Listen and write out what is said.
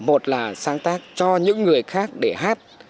một là sáng tác cho những người khác để hát